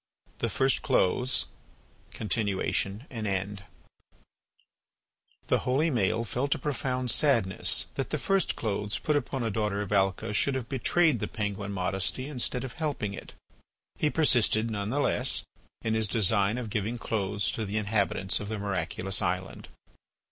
THE FIRST CLOTHES (Continuation and End) The holy Maël felt a profound sadness that the first clothes put upon a daughter of Alca should have betrayed the penguin modesty instead of helping it. He persisted, none the less, in his design of giving clothes to the inhabitants of the miraculous island.